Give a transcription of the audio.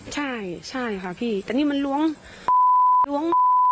ใช่ใช่ค่ะพี่แต่นี่มันล้วงล้วง